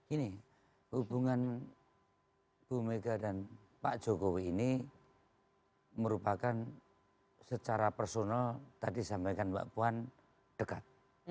ini hubungan ibu mega dan pak jokowi ini merupakan secara personal tadi sampaikan mbak puan dekat